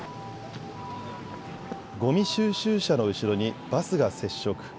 ごみ収集車の後ろにバスが接触。